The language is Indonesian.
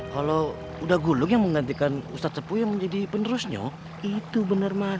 kalau sudah gulung yang menggantikan ustadz sepu menjadi penerusnya itu benar bang